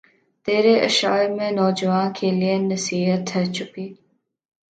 تیرے اشعار میں نوجواں کے لیے نصیحت ھے چھپی